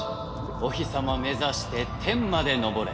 お日様目指して天まで昇れ。